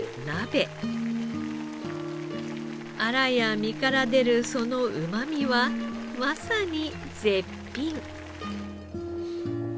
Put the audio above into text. あらや身から出るそのうまみはまさに絶品。